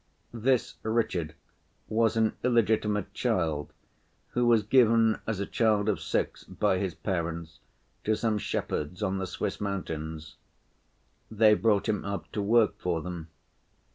This Richard was an illegitimate child who was given as a child of six by his parents to some shepherds on the Swiss mountains. They brought him up to work for them.